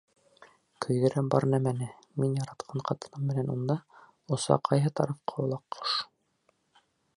Көйҙөрә бар нәмәне, Мин яратҡан ҡатыным менән унда, Оса ҡайһы тарафҡа ул аҡҡош?..